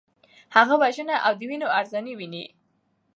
هغه وژنه او د وینو ارزاني ویني.